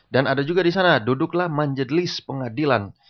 dan ada juga di sana duduklah majelis pengadilan